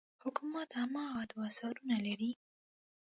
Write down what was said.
حکومت هماغه دوه سرونه لري.